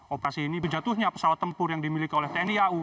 operasi ini berjatuhnya pesawat tempur yang dimiliki oleh tni au